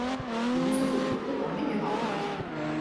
Vi måste få lite ordning i hallen.